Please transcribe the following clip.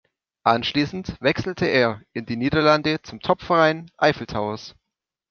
Anschließend wechselte er in die Niederlande zum Topverein Eiffel Towers.